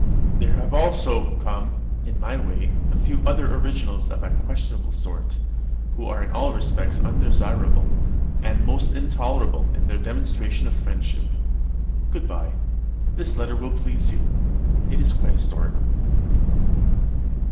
There have also come in my way a few other originals of a questionable sort, who are in all respects undesirable, and most intolerable in their demonstration of friendship. Good bye. This letter will please you: it is quite historical.